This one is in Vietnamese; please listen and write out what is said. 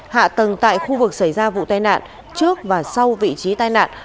hạ tầng tại khu vực xảy ra vụ tai nạn trước và sau vị trí tai nạn